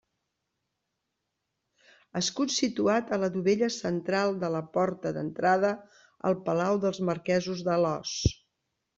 Escut situat a la dovella central de la porta d'entrada al palau dels Marquesos d'Alòs.